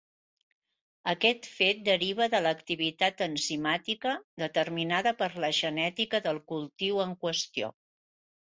Aquest fet deriva de l'activitat enzimàtica, determinada per la genètica del cultiu en qüestió.